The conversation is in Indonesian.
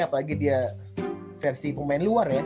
apalagi dia versi pemain luar ya